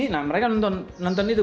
nah mereka nonton itu